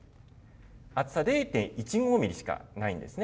厚さ０．１５ミリしかないんですね。